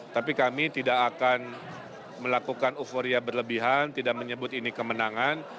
tapi kami tidak akan melakukan euforia berlebihan tidak menyebut ini kemenangan